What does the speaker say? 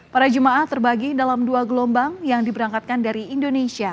para jemaah terbagi dalam dua gelombang yang diberangkatkan dari indonesia